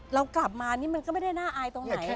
เรากลับมานี่มันก็ไม่ได้น่าอายตรงไหน